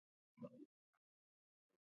افغانستان د اوږده غرونه له مخې پېژندل کېږي.